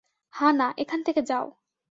হা-না, এখান থেকে যাও।